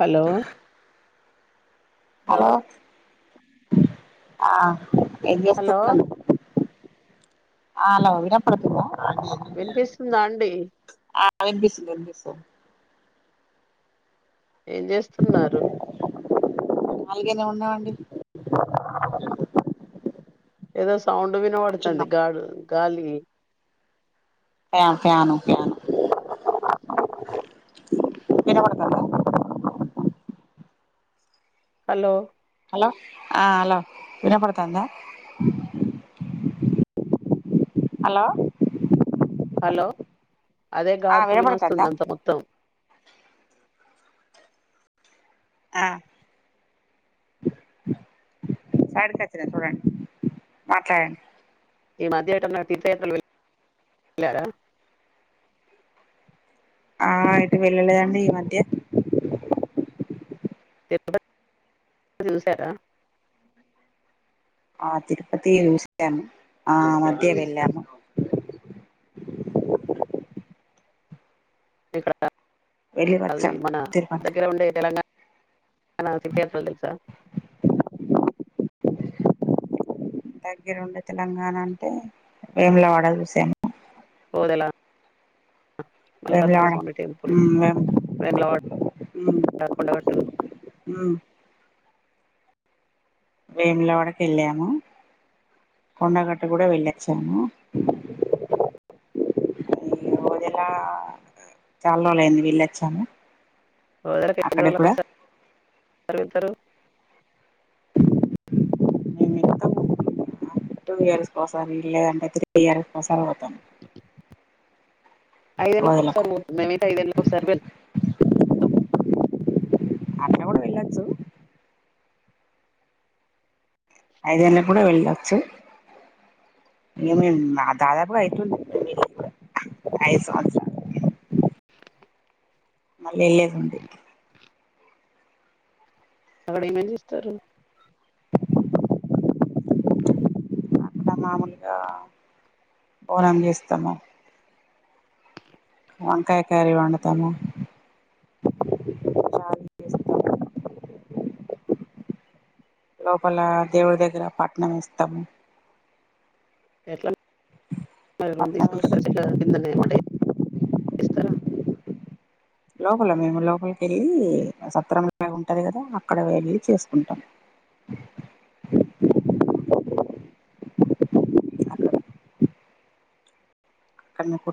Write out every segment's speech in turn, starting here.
Hello hello ఆ ఏం hello చేస్తున్నారు ఆలో వినప్పుడుతుద వినిపిస్తుంద అండి ఆ వినిపిస్తుంది వినిపి ఏం చేస్తున్నారు ఖాళీగానే ఉన్నావండి ఏదో సౌండ్ వినపడుతుంది గాడ్ గాలి ప్యా ప్యాను ప్యాను వినబడుతుందా హలో హలో ఆ హలో వినపడుతాందా హలో హలో అదే ఆ గాడుపు వినపడుతుందా వినోస్తుంది అంత మొత్తం ఆ సైడ్ కి వచ్చిన చూడండి మాట్లాడండి, ఈ మద్య ఏటన్న తీర్థయాత్రలకు వెళ్ళరా ఆ ఎటు వెళ్ళలేదు అండి ఈ మధ్య ఎపుడో [inaudible] ఆ తిరుపతి చూసను ఆ మధ్య వెళ్ళాము ఈ వెళ్ళి అది వచ్చాము మన తిరుపతి దగ్గర ఉండే తెలంగాణ ఏమైనా తీర్థయాత్రలు తెలుసా దగ్గర ఉండే తెలంగాణ అంటే వేములవాడ చూసాను ఓదలా మల్లికార్జున వేములవాడ స్వామి టెంపుల్ ఉమ్ వేము ఉమ్ మేమలవాడ కొండగట్టు ఉమ్ వేములవాడకు వెళ్ళాము కొండగట్టు కూడా వెళ్లి వచ్చాము ఒదిలా చాలా రోజు అయింది వెళ్లి వచ్చాము ఓదెలకు ఎన్ని రోజులకు ఒకసారి [inaudible] వెలుతారు మే ఇతంము టు ఇయర్స్ ఒకసారి లేదు అంటే త్రీ ఇయర్స్ ఒకసారి పోతాం, ఐదేళ్ళకి ఓదెలకు ఒకసారి పోతుం మీ ఐదేళ్ళ ఒకసారి వెళ్ళువతం, అట్లా కూడ వెళ్ళాచ్చు, ఐదేళ్ళ కూడా వెళ్ళచ్చు ఇగ మేము దాదాపుగా అయితుంది ఐదు సంవత్సరలు, మళ్ళీ ఏళ్ళేది ఉంది అక్కడ ఎం ఎం చూస్తారు మామూలుగా ఓనం చేస్తాము వంకాయ కర్రీ వండుతాము చారు చేస్తాము లోపల దేవుడి దగ్గర పట్టణం ఇస్తాము ఎట్లా మరి రూమ్ పట్నం తీసుకుంట వేసి చెట్లా కిందనే వంట ఇస్తారు లోపల మేము లోపలికి వెళ్ళి సత్రంలా ఉంటది కదా అక్కడ వెళ్ళి చేసుకుంటాము కర్ణకు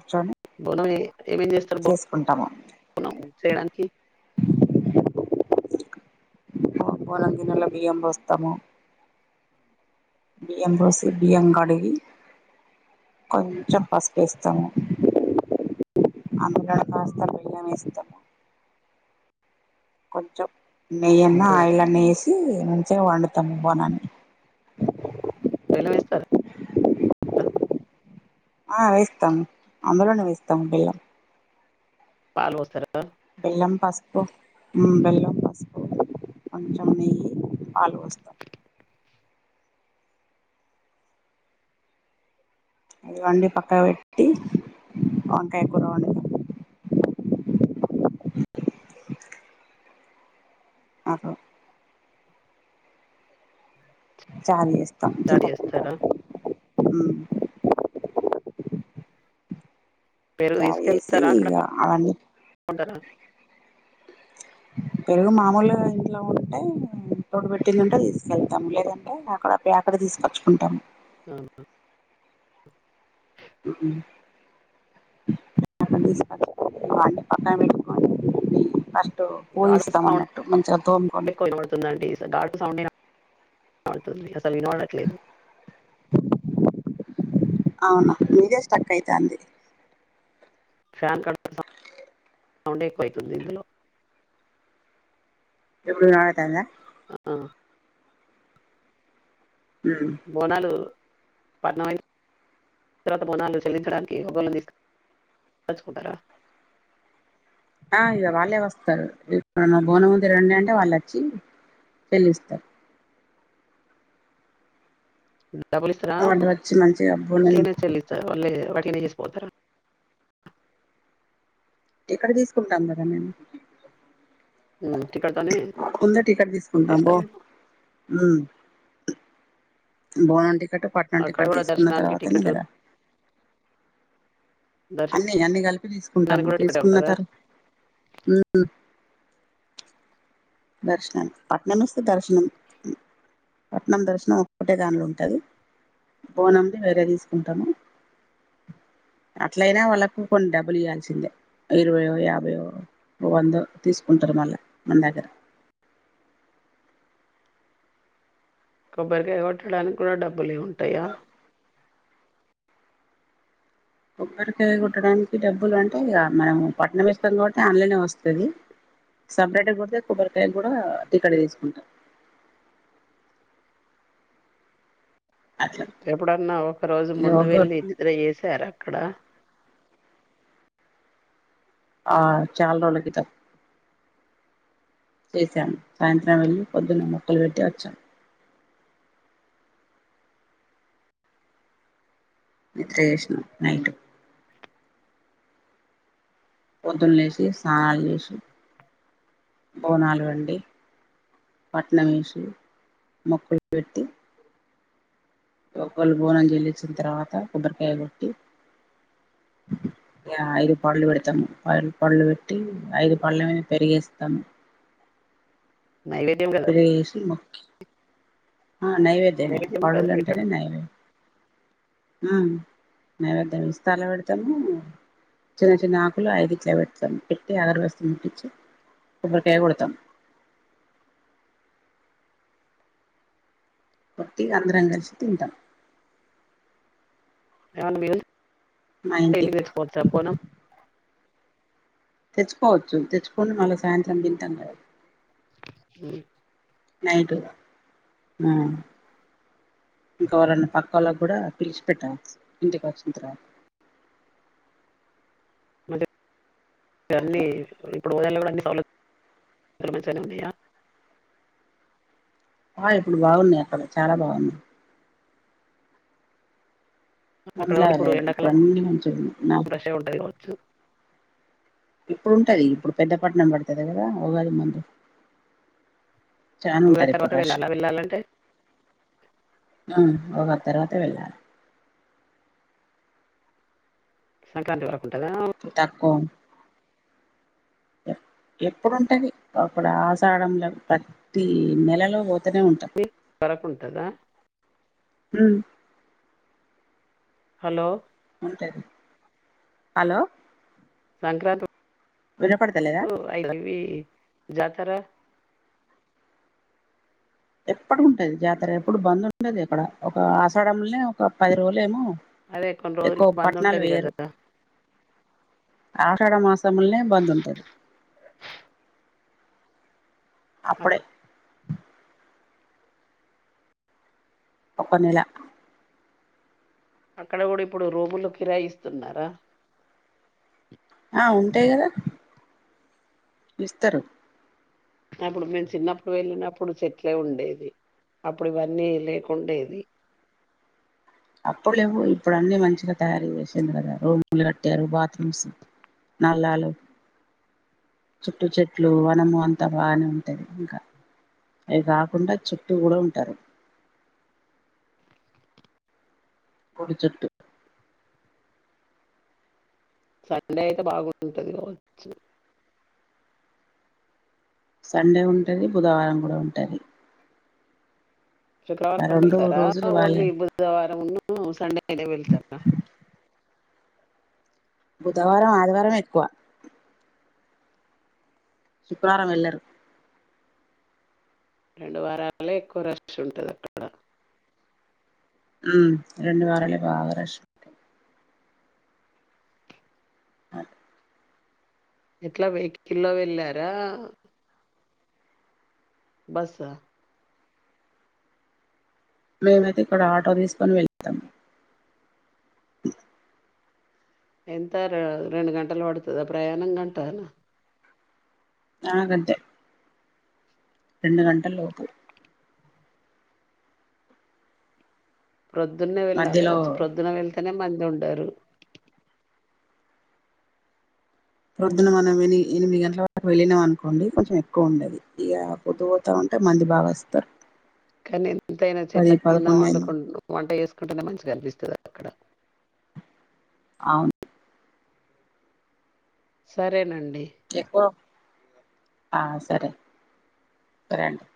బోనం ఏమేమి చేస్తారు బో చేసుకుంటాము బోనం చేయడానికి బోనం గిన్నెలో బియ్యం పోస్తాము బియ్యం పోసి బియ్యం కడిగి కొంచెం పసుపు వేస్తాము అందులో కాస్తా బెల్లం వేస్తాము కొంచెం నెయ్యిన్న ఆయిల్ అన్ని వేసి మంచిగా వండుతాము బోనాన్ని బెల్లం వేస్తారా ఆ ఆ వేస్తాము అందులోనే వేస్తాము బెల్లం పాలు పోస్తారా బెల్లం పస్ బెల్లం పసుపు కొంచెం నెయ్యి పాలు పోస్తాం అవి అన్ని పక్క పెట్టి వంకాయ కూర వండుతాం అకో చాల చేస్తాం చాట్ చింతపండు చేస్తారా హ్మ్ పెరుగు తాగేసి తీసుకెళ్తారా అక్కడ ఇగ అవి అన్ని కొంటారా పెరుగు మామూలు ఇంట్లో ఉంటే తోడు పెట్టిందింటే తీసుకెళ్తాము లేదంటే అక్కడ ప్యాకెట్ తీసుకోచ్చుకుంటాము హ్మ్ హు హ్మ్ హు అన్ని తీస్కోచుకొని ఇగ పక్కన పెట్టి [inaudible] గాడు పోయిస్తాం సౌండ్ అన్నట్టు మంచిగా తోముకోని అవుతుంది అసల్ అసల్ వినపడట్లేదు అవునా మీదే స్టక్ అయితాంది ఫ్యాన్ క సౌడ్ ఎక్కువ అయితుంది అండి ఎప్పుడు వినపడుతందా ఆ బోనాలు పట్నం తరువాత బోనం చెలించడానికి [unintelligible] తీస్కొని [unintelligible] ఆ ఇద వాళ్ళే వస్తారు బోనం ఉంది రండి అంటే వాళ్ళు వచ్చి చెల్లిస్తారు డబ్బులు ఇస్తారా వాళ్ళు వచ్చి మంచిగా బోనం ఊటీగానే చెలించారా వల్లే మీరే చేసిపోతారా ఎక్కడ తీసుకుంటాను కదా నేను టికెట్తోనే ముందే టికెట్ తీసుకుంటా బో చేస్తారేమో హ్మ్ బోనం అంటే టికెట్ పట్నం అక్కడ టికెట్ కూడా తీసుకున్న దర్శనానికి తర్వాతని టికెట్ కదా అన్ని అన్ని కలిపి దర్శనానికి తీసుకుంటాము కూడా టికెట్ తీసుకున్న ఉంటుందా తర్వాత దర్శనం పట్నం ఇస్తే దర్శనం పట్నం దర్శనం ఒక్కటే దగానిలో ఉంటది బోనంది వేరే తీసుకుంటాము అట్లయినా వాళ్ళకు కొన్ని డబ్బులు ఇ్యల్సిందే ఇరవైయో యాభయో వందో తీసుకుంటారు మళ్ళ మన దగ్గర కొబ్బరికాయ కొట్టడానికి కూడా డబ్బులు ఉంటాయి. ఉంటాయా కొబ్బరికాయ కోట్టడానికి డబ్బులు అంటే ఇ మనం పట్టణం ఇస్తాం కాబట్టి ఆన్లైన్ వస్తుంది సపరేట్గా కుడితే కొబ్బరికాయ కూడా టికెట్ తీసుకుంటాం. అట్లా ఎప్పుడన్నా ఒక రోజు ఇ ముందు వెళ్ళి నిద్ర చేసార ఆక్కడ ఆ చాల రోజుల క్రితం చేశాము సాయంత్రం వెళ్ళలి పొద్దున్న మొక్కలు పెట్టి వచ్చాం. నిద్ర చేసినం నైట్ పొద్దున్న లేసి స్నానాలు చేసి బోనాలు వండి కట్నం వేసి మొక్కలు పెట్టి ఒకవేళ బోనం చెల్లించిన తర్వాత కొబ్బరికాయ కొట్టి ఐదు పళ్ళు పెడతాము ఆ పళ్ళు పెట్టి ఐదు పళ్డ్ళమనా పెరిగేస్తాము. నైవేద్యం కదా అది పెసి మొక్కి నైవేద్యమే నైవేద్యం కదా పాడవులుంటేనే పెట్టడం నైవేద్యం. హు నైవేద్యము ఇస్తార్లో పెడతాము చిన్న చిన్న ఆకులు ఐది ఇట్లా పెడతాము పెట్టి అగరవస్త పటించి కొబ్బరికాయ కొడతాము. కొట్టి అందరం కలిసి తింటం. అవున మీరు ఇంటి ఇంటికి తెచ్చుకోవచ్చా బోనం తెచ్చుకోవచ్చు తెచ్చుకోని మళ్ళీ సాయంత్రం తింటాం కద హు నైట్ ఇంకా ఎవరికైనా పక్క వాళ్ళ కూడా పిలిచి పెట్టవచ్చు ఇంటికి వచ్చిన తర్వాత అన్నీ అట్లా ఇప్పుడు [unintelligible] - [unintelligible] ఆ ఇప్పుడు బాగున్నాయి. అక్కడ చాలా బాగున్నాయి. ముందు అక్కడ అలా కూడా ఇప్పుడు లేదు ఎండాకాలం ఇప్పుడున్న అన్ని మంచిగున్నాయి రష్ ఉంటది కావచ్చు ఇప్పుడుంటది ఇప్పుడు పెద్ద పట్నం పడుంది. వెళ్ళలేదా ఉగాది మందు చాను ఉంటారు ఉగాది ఇప్పుడు తర్వాత రాష్ వెళ్ళాలా వెళ్ళాలంటే పో ఆ తర్వాత వెళ్ళాలి సంక్రాంతి వర [unintelligible] ఎప్పుడుంటాది అప్పుడు ఆషాడంలో ప్రతి నెలలో అ ఉంటాం ఉగాది వరకు ఉంటదా హు హలో ఉంటది హలో సంక్రాంతి వినపడతలేదా ఓ అయిందండి జతారా ఎప్పుటికుంటది జాతర ఎప్పుడు బంద్ ఉండది అక్కడ ఒక ఆషాఢములనే ఒక పది రోజులు ఏమో అదే కొన్ని రోజులు ఎక్కువ బంద్ పట్టణాలు ఉంటది వేయరు కదా ఆషాఢ మాసములనే బంద్ ఉంటది అక్- అప్పుడే ఒక్క నెల అక్కడ కూడా ఇప్పుడు రూములూ కిరాయిస్తున్నారా ఆ ఉంటాయి కదా ఇస్తరు అప్పుడు మేము చిన్నప్పుడు వెళ్ళినప్పుడు చెట్లే ఉండేది అప్పుడు ఇవన్నీ లేకుండేది అప్పుడు లెవ్వు వ ఇప్పుడు అన్ని మంచిగా తయారు చేసింరు కదా రూములు కట్టారు బాత్రూమ్స్ నల్లాలు చుట్టూ చెట్లు వనము అంతా బానే ఉంటది ఇంకా అవి కాకుండా చుట్టూ కూడా ఉంటారు గుడి చుట్టూ సండే అయితే బాగుంటది కావచ్చు సండే ఉంటుంది బుధవారం కూడా ఉంటది ఆ శుక్రవారం రెండు వెళ్తారా రోజులు ఓన్లీ వాళ్ళే బుధవారంమున్ను సండేనే వెళ్తారా బుధవారం ఆదివారంమే ఎక్కువ శుక్రవారం వెళ్ళరు రెండు వారాలే ఎక్కువ రష్ ఉంటుంది అక్కడ ఉహ్మ్ రెండు వారాలే బాగా రష్ హ్మ్ ఎట్లా వెహికిల్ల్లో వెళ్ళారా బస్సా మేమైతే ఇక్కడ ఆటో తీసుకొని వెళ్తాం ఎంత రె రెండు గంటలు పడుతదా ప్రయాణం గంటా ఆగంతే రెండు గంటల్లోపు ప్రొద్దున్నే వెళ్ళాలి మధ్యలో కావోచ్చ ప్రొద్దున్న వెళ్తే నే మంది ఉండరు పొద్దున మనం ఎని ఎనిమిది గంటల వరకు వెళ్ళినాం అనుకోండి కొంచెం ఎక్కువ ఉండది ఇక పొద్దు పోతా ఉంటే మంది బాగా వస్తారు కానీ ఎంతైనా చెట్ల పది కింద పదకొండు అయింది వండుకు వంట చేసుకు కుంటేనే మంచిగనిపిస్తది అండి అక్కడ అవును సరేనం చెకువ ఆ సరే సరే అండి